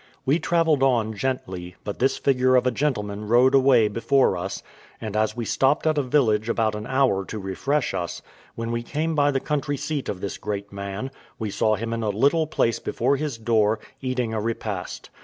We travelled on gently, but this figure of a gentleman rode away before us; and as we stopped at a village about an hour to refresh us, when we came by the country seat of this great man, we saw him in a little place before his door, eating a repast.